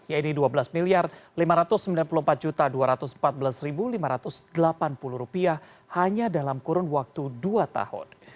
yaitu rp dua belas lima ratus sembilan puluh empat dua ratus empat belas lima ratus delapan puluh hanya dalam kurun waktu dua tahun